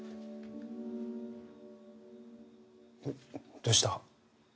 どどうした？